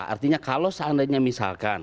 artinya kalau seandainya misalkan